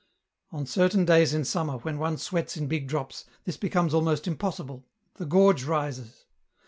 " On certain days in summer, when one sweats in big drops, this becomes almost impossible, the gorge rises.